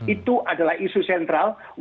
itu adalah isu sentral